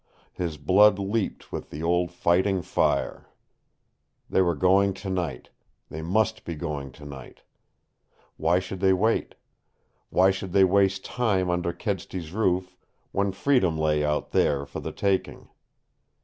His blood leaped with the old fighting fire. They were going tonight; they must be going tonight! Why should they wait? Why should they waste time under Kedsty's roof when freedom lay out there for the taking?